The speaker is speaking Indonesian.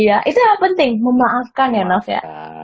iya itu penting memaafkan ya naf ya